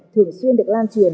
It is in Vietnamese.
thường xuyên được lan truyền